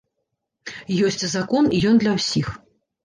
Ёсць закон, і ён для ўсіх.